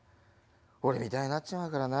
俺みたいになっちまうからな。